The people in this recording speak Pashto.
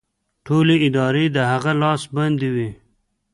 ټولې ادارې د هغه لاس باندې وې